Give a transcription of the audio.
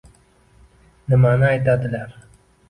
Nimani aytadilar!